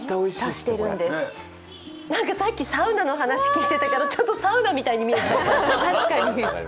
さっき、サウナの話していたからちょっとサウナみたいに見えちゃった。